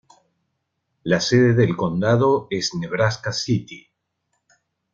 La sede del condado es Nebraska City.